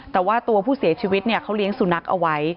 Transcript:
แต่ว่าตัวผู้เสียชีวิตเนี่ยเขาเลี้ยงสุนัขเอาไว้